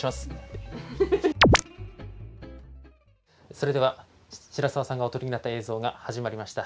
それでは白澤さんがお撮りになった映像が始まりました。